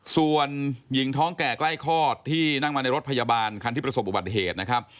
ส่วนหญิงท้องแก่ใกล้คลอดที่นั่งมาในรถพยาบาลคันที่ประสบอุบัติเหตุนะครับ